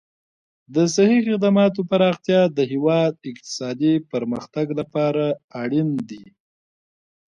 د صحي خدماتو پراختیا د هېواد اقتصادي پرمختګ لپاره اړین دي.